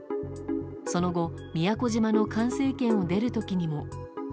その後宮古島の管制圏を出る時にも。